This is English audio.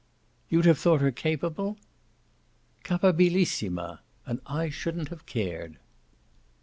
"You'd have thought her capable ?" "Capabilissima! And I shouldn't have cared."